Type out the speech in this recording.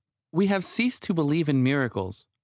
We have ceased to believe in miracles.